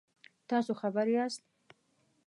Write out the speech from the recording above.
تاسو خبر یاست؟